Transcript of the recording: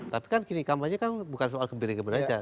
tapi kan gini kampanye kan bukan soal gembira gembira aja